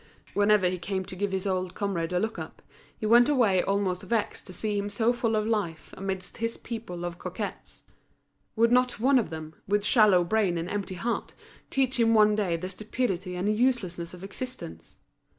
Whenever he came to give his old comrade a look up, he went away almost vexed to see him so full of life amidst his people of coquettes. Would not one of them, with shallow brain and empty heart, teach him one day the stupidity and uselessness of existence?